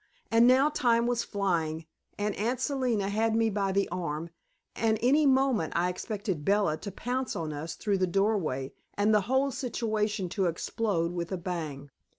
And now time was flying, and Aunt Selina had me by the arm, and any moment I expected Bella to pounce on us through the doorway and the whole situation to explode with a bang.